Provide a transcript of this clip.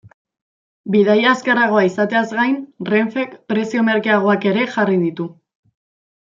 Bidaia azkarragoa izateaz gain, Renfek prezio merkeagoak ere jarri ditu.